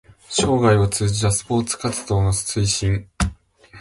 生涯を通じたスポーツ活動の推進